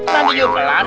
nanti juga pelan